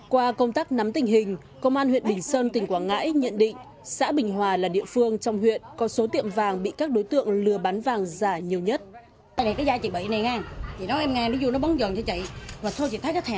qua công tác nắm tình hình công an huyện bình sơn tỉnh quảng ngãi nhận định xã bình hòa là địa phương trong huyện có số tiệm vàng bị các đối tượng lừa bán vàng giả nhiều nhất